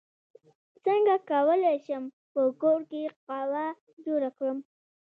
څنګه کولی شم په کور کې قهوه جوړه کړم